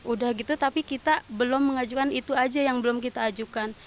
udah gitu tapi kita belum mengajukan itu aja yang belum kita ajukan